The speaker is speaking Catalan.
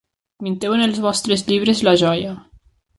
Pinteu en els vostres llibres la joia